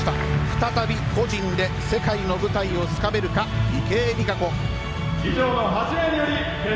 再び個人で世界の舞台をつかめるか池江璃花子。